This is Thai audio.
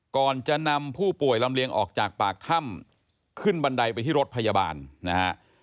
ก่อนจะนำผู้ป่วยลำเลียงออกจากปากถ้ำขึ้นบันไดไปที่รถพยาบาลนะฮะ